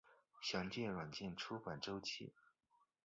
详见软件出版周期。